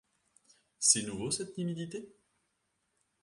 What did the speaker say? C’est nouveau cette timidité ?